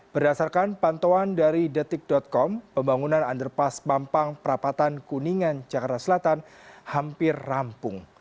berdasarkan pantauan dari detik com pembangunan underpas mampang perapatan kuningan jakarta selatan hampir rampung